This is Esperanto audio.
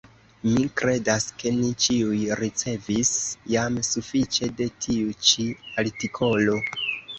Mi kredas, ke ni ĉiuj ricevis jam sufiĉe de tiu ĉi artikolo.